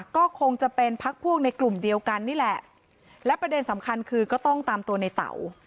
ก็คงจะเป็นพักพวกในกลุ่มเดียวกันนี่แหละและประเด็นสำคัญคือก็ต้องตามตัวในเต๋า